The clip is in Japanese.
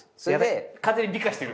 完全に美化してる。